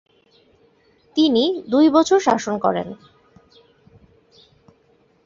তিনি দুই বছর শাসন করেন।